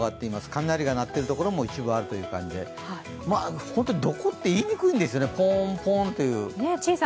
雷が鳴っている所も一部あるという形で、本当にどこって言いにくいんですよね、ポーンポンという。